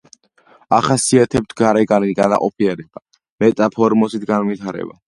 ახასიათებთ გარეგანი განაყოფიერება, მეტამორფოზით განვითარება.